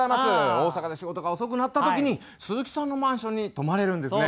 大阪で仕事が遅くなった時に鈴木さんのマンションに泊まれるんですね。